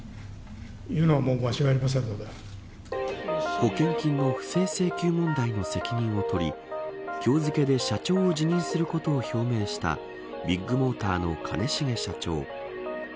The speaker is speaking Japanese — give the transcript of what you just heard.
保険金の不正請求問題の責任を取り今日付で社長を辞任することを表明したビッグモーターの兼重社長。